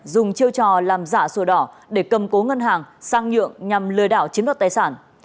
dùng chiêu trò làm giả sổ đỏ để cầm cố ngân hàng sang nhượng nhằm lừa đảo chiếm đoạt tài sản